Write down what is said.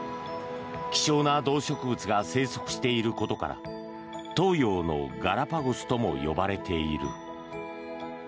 希少な動植物が生息していることから東洋のガラパゴスとも呼ばれている。